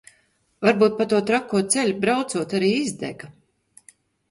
Varbūt pa to trako ceļu braucot arī izdega.